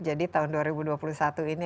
jadi tahun dua ribu dua puluh satu ini